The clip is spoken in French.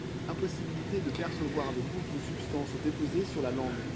Impossibilité de percevoir le goût d'une substance déposée sur la langue.